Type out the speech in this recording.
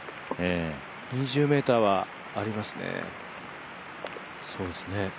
２０ｍはありますね。